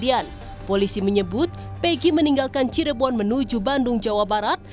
di kejadian polisi menyebut pegi meninggalkan cirebon menuju bandung jawa barat